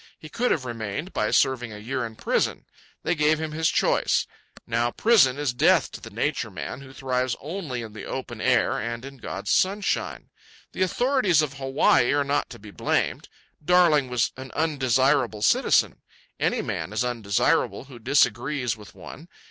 He could have remained by serving a year in prison. They gave him his choice. Now prison is death to the Nature Man, who thrives only in the open air and in God's sunshine. The authorities of Hawaii are not to be blamed. Darling was an undesirable citizen. Any man is undesirable who disagrees with one.